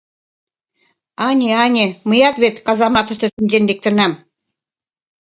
— Ане-ане, мыят вет казаматыште шинчен лектынам...